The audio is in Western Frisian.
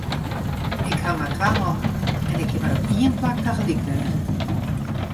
Ik haw mar twa hannen en ik kin mar op ien plak tagelyk wêze.